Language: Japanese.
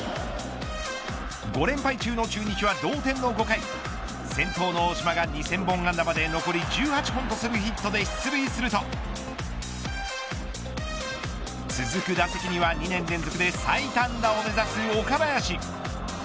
５連敗中の中日は同点の５回先頭の大島が２０００本安打まで残り１８本とするヒットで出塁すると続く打席には２年連続で最多安打を目指す岡林。